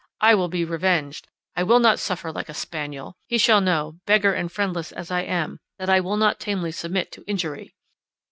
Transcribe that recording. I will be revenged! I will not suffer like a spaniel! He shall know, beggar and friendless as I am, that I will not tamely submit to injury!"